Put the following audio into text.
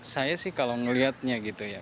saya sih kalau melihatnya gitu ya